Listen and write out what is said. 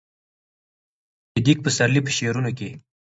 د محمد صديق پسرلي په شعرونو کې